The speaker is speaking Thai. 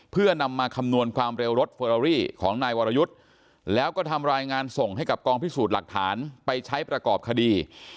เพื่อนำมาคำนวณความเร็วรถเฟอรารี่ของนายวรยุทธ์แล้วก็ทำรายงานส่งให้กับกองพิสูจน์หลักฐานไปใช้ประกอบคดี